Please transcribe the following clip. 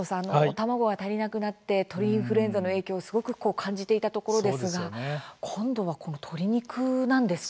卵が足りなくなって鳥インフルエンザの影響をすごくこう感じていたところですが今度はこの鶏肉なんですか。